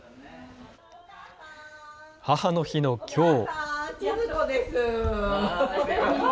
母の日のきょう。